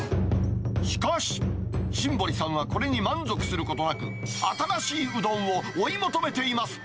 しかし、新堀さんはこれに満足することなく、新しいうどんを追い求めています。